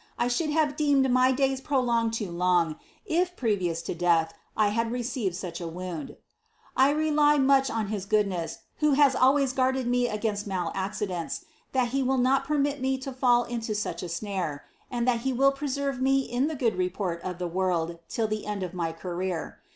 1 ihould have deemed m]' Jayi prolDD|[ed too loaf, if, gireijoui to death, I had leccived Bocb ■ woimd. "I rely mucb on IIi« goodness wlio ha« slwaya guardeil me againit tnal ici 'iJent«, that he will not peitnii mo to fill! into luch a mure, and thai He will pregerve me in Ihe good report of Ihe world till Ihe end of my career.